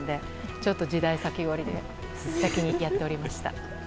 ちょっと時代先取りでやっておりました。